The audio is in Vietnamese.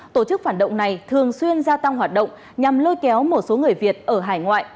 tổ chức phản động này thường xuyên gia tăng hoạt động nhằm lôi kéo một số người việt ở hải ngoại